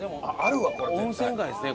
温泉街ですね